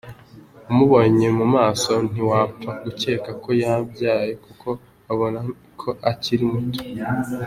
Umubonye mu maso ntiwapfa gukeka ko yabyaye kuko ubona ko akiri muto.